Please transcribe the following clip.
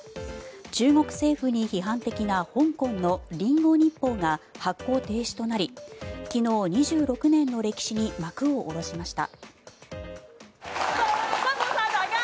中国政府に批判的な香港のリンゴ日報が発行停止となり昨日、２６年の歴史に幕を下ろしました。